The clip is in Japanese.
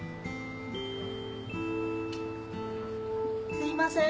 すいませーん！